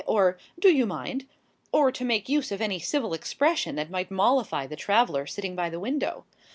or "Do you mind?" or to make use of any civil expression that might mollify the traveller sitting by the window.